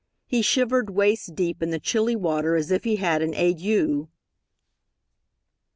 He shivered waist deep in the chilly water as if he had an ague.